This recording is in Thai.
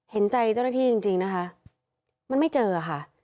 เห็นใจเจ้าหน้าที่จริงนะคะมันไม่เจอค่ะ